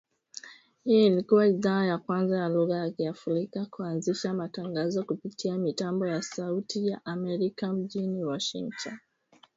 Hii ilikua idhaa ya kwanza ya lugha ya Kiafrika kuanzisha matangazo kupitia mitambo ya Sauti ya Amerika mjini Washington